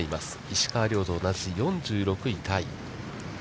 石川遼と同じ２６位タイ。